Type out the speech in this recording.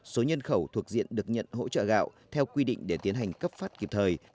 số nhân khẩu thuộc diện được nhận hỗ trợ gạo theo quy định để tiến hành cấp phát kịp thời